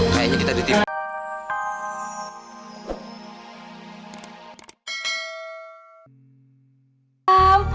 kayaknya kita ditimpa